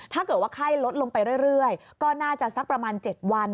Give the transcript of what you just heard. ถ้าเกิดว่าไข้ลดลงไปเรื่อยก็น่าจะสักประมาณ๗วัน